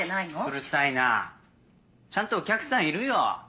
うるさいなちゃんとお客さんいるよ。